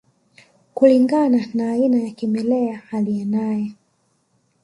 Kulingana na aina ya kimelea uliye naye